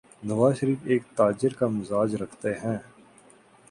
نوازشریف ایک تاجر کا مزاج رکھتے ہیں۔